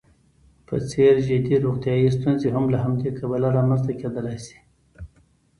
په څېر جدي روغیتايي ستونزې هم له همدې کبله رامنځته کېدلی شي.